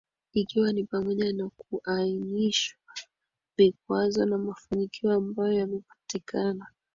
ikiwa ni pamoja na kuainisha vikwazo na mafanikio ambayo yamepatikana